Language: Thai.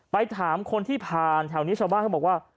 ไปถามคนที่ผ่านแถวนี้ชาวบ้านเขาบอกว่า